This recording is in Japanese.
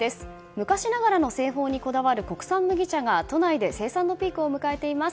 昔ながらの製法にこだわる国産麦茶が都内で生産のピークを迎えています。